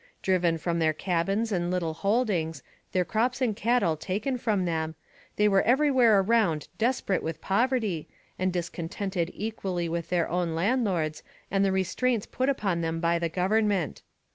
Driven from their cabins and little holdings, their crops and cattle taken from them, they were everywhere around desperate with poverty, and discontented equally with their own landlords and the restraints put upon them by government.